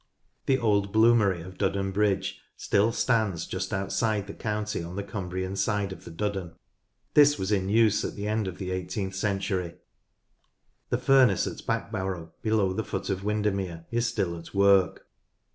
The old bloomery of Duddon Bridge still stands just outside the county, on the Cumbrian side of the Duddon. This was in use at the end of the eighteenth century. The furnace at Backbarrow below the foot of Windermere is still at work.